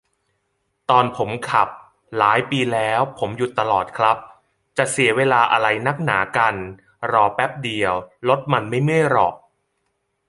ตอนผมขับ หลายปีแล้ว ผมหยุดตลอดครับ จะเสียเวลาอะไรนักหนากัน รอแป๊บเดียว รถมันไม่เมื่อยหรอก